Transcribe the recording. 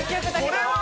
これは。